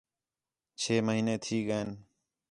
چھ مہینے تھی ڳئین